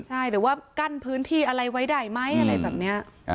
ใช่หรือว่ากั้นพื้นที่อะไรไว้ได้ไหมอะไรแบบนี้